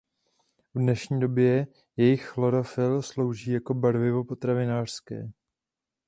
V dnešní době jejich chlorofyl slouží jako barvivo potravinářské.